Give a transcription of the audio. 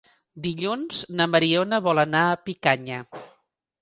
Dilluns na Mariona vol anar a Picanya.